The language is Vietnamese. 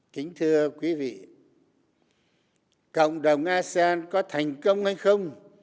kính thưa quý vị cộng đồng asean có thành công hay không